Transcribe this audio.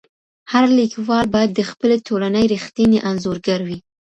هر ليکوال بايد د خپلي ټولني رښتينی انځورګر وي.